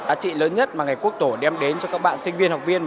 giá trị lớn nhất mà ngày quốc tổ đem đến cho các bạn sinh viên học viên